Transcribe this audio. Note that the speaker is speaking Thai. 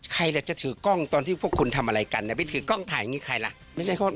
ใครล่ะจะถือกล้องตอนที่พวกคุณทำอะไรกันไปถือกล้องถ่ายอย่างนี้ใครล่ะไม่ใช่เขา